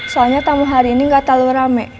soalnya tamu hari ini nggak terlalu rame